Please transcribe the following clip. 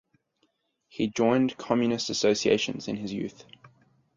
He joined communist associations in his youth.